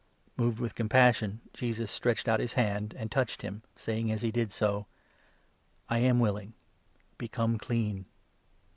Moved with compassion, Jesus stretched out his hand and 41 touched him, saying as he did so :" I am willing ; become clean."